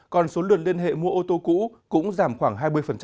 còn số lượt liên hệ mua ô tô cũ cũng giảm khoảng hai mươi